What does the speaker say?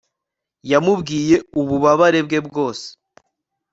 Yamubwiye ububabare bwe bwose